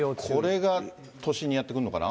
これが都心にやって来るのかな？